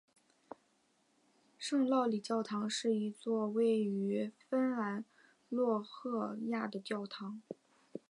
圣劳里教堂是一座位于芬兰洛赫亚的教堂。